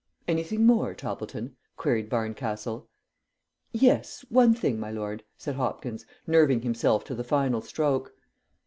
"Anything more, Toppleton?" queried Barncastle. "Yes, one thing, my lord," said Hopkins, nerving himself up to the final stroke.